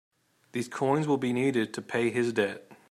These coins will be needed to pay his debt.